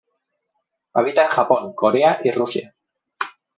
Habita en Japón, Corea y Rusia.